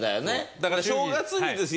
だから正月にですよ